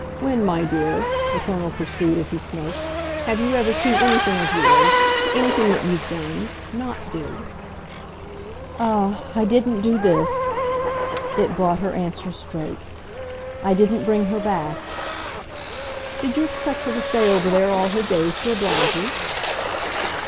When, my dear," the Colonel pursued as he smoked, "have you ever seen anything of yours anything that you've done NOT do?" "Ah, I didn't do this!" It brought her answer straight. "I didn't bring her back." "Did you expect her to stay over there all her days to oblige you?"